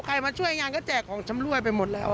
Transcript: มาช่วยงานก็แจกของชำรวยไปหมดแล้ว